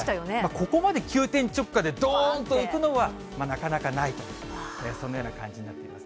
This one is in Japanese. ここまで急転直下でどーんといくのは、なかなかないと、そんなような感じになっています